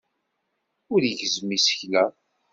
Ur igezzem isekla.